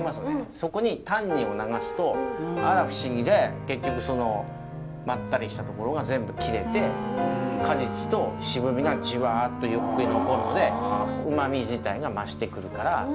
そこにタンニンを流すとあら不思議で結局そのまったりしたところが全部切れて果実と渋みがジュワッとゆっくり残るのでうまみ自体が増してくるから。